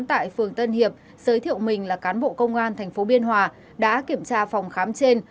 tại phường tân hiệp giới thiệu mình là cán bộ công an tp biên hòa đã kiểm tra phòng khám trên